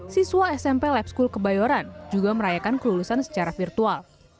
siswa smp lab school kebayoran juga merayakan kelulusan secara virtual